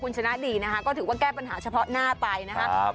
ก็ถือว่าแก้ปัญหาเฉพาะหน้าไปนะครับ